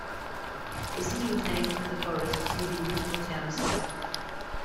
The city was named for the forests near the original town site.